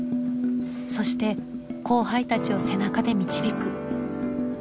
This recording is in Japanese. そして後輩たちを背中で導く。